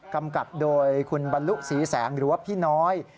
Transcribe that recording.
กำกับโดยคุณบรรลุศรีแสงหรือว่าพี่น้อย